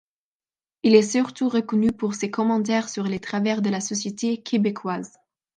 Il est surtout reconnu pour ses commentaires sur les travers de la société québécoise.